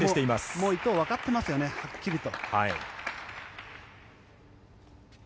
もう伊藤はわかっていますよねはっきりと。